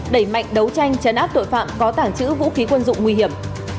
đẩy mạnh đấu tranh chấn áp tội phạm có tàng trữ vũ khí quân dụng nguy hiểm